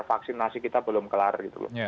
vaksinasi kita belum kelar gitu loh